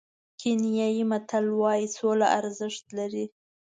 کینیايي متل وایي سوله ارزښت لري.